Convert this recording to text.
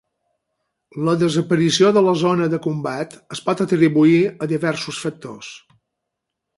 La desaparició de la Zona de combat es pot atribuir a diversos factors.